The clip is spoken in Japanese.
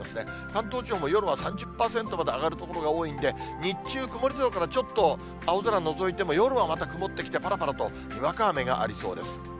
関東地方も夜は３０％まで上がる所が多いんで、日中、曇り空から、ちょっと青空のぞいても、夜はまた曇ってきて、ぱらぱらとにわか雨がありそうです。